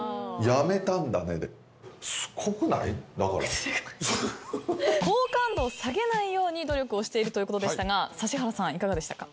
好感度を下げないように努力をしているということでしたが指原さんいかがでしたか？